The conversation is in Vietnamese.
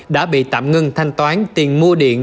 đã bị tạm ngưng thanh toán tiền mua điện